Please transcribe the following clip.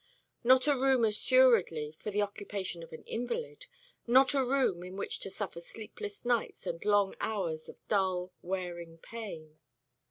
Not a room assuredly for the occupation of an invalid not a room in which to suffer sleepless nights and long hours of dull, wearing pain.